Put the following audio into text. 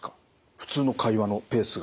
普通の会話のペースが。